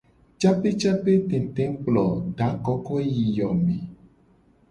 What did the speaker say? Capecapetete kplo da kokoe yi yo me.